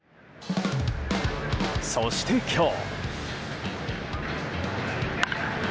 そして、今日。